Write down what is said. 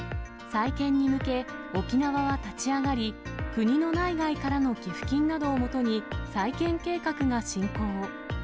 再建に向け、沖縄は立ち上がり、国の内外からの寄付金などをもとに、再建計画が進行。